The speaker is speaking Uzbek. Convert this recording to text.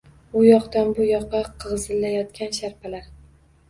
U yoqdan-bu yoqqa g‘izillayotgan sharpalar